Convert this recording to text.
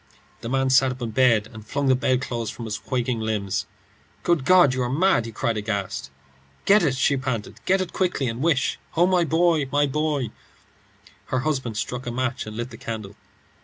The man sat up in bed and flung the bedclothes from his quaking limbs. "Good God, you are mad!" he cried, aghast. "Get it," she panted; "get it quickly, and wish Oh, my boy, my boy!" Her husband struck a match and lit the candle.